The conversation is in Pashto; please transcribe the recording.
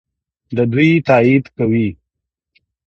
د دوی تائيد کوي.